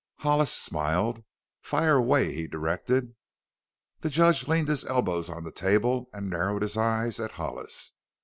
Hollis smiled. "Fire away," he directed. The judge leaned his elbows on the table and narrowed his eyes at Hollis.